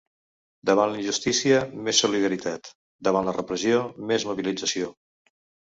Davant la injustícia, més solidaritat; davant la repressió, més mobilització.